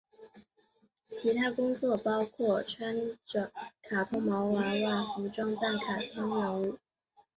其他工作包括穿着卡通毛娃娃服扮演卡通人物。